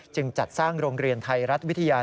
จัดสร้างโรงเรียนไทยรัฐวิทยา